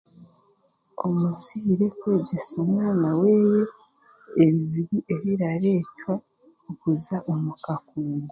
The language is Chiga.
Omuzaire kwegyesa omwana weeye ebizibu ebiraretwa okuza omu kakungu